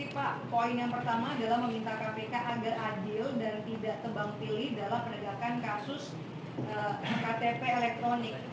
pak poin yang pertama adalah meminta kpk agar adil dan tidak tebang pilih dalam penegakan kasus ktp elektronik